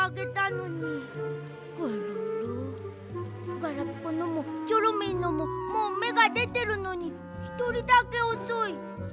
ガラピコのもチョロミーのももうめがでてるのにひとりだけおそい。